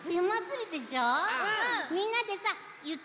みんなでさゆき